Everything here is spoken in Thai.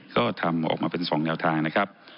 ก็ทำออกมาเป็น๒แนวทางนะครับ